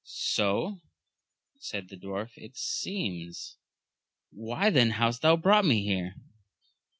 So, said the dwarf, it seems. — ^Why then hast thou brought me here